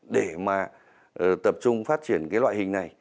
để mà tập trung phát triển cái loại hình này